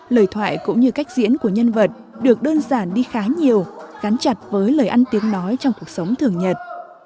lời thoại cũng như cách diễn của nhân vật được đơn giản đi khá nhiều gắn chặt với lời ăn tiếng nói trong cuộc sống thường nhật